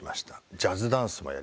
ジャズダンスもやりました。